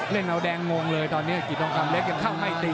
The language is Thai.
เล่นเอาแดงงงเลยตอนนี้กิจทองคำเล็กยังเข้าไม่ตี